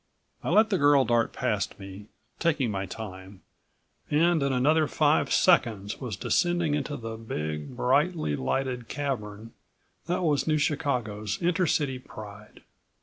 I let the girl dart past me, taking my time, and in another five seconds was descending into the big, brightly lighted cavern that was New Chicago's intercity pride.